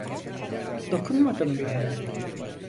Dokunmadım bile.